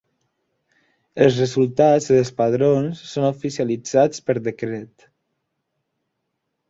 Els resultats dels padrons són oficialitzats per decret.